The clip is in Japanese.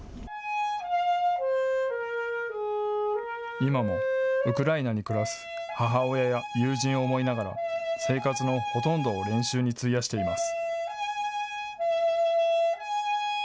今もウクライナに暮らす母親や友人を思いながら生活のほとんどを練習に費やしています。